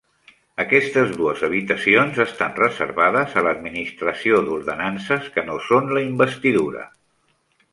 Aquestes dues habitacions estan reservades a l'administració d'ordenances que no són la Investidura.